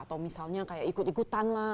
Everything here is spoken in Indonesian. atau misalnya kayak ikut ikutan lah